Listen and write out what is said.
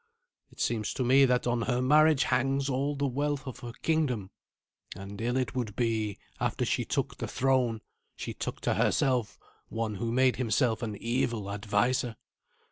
It seems to me that on her marriage hangs all the wealth of her kingdom; and ill it would be if, after she took the throne, she took to herself one who made himself an evil adviser.